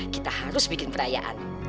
kita harus bikin perayaan